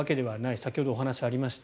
先ほどお話ありました。